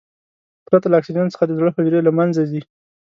پرته له اکسیجن څخه د زړه حجرې له منځه ځي.